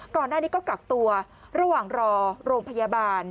ก่อนหน้านี้ก็กักตัวระหว่างรอโรงพยาบาล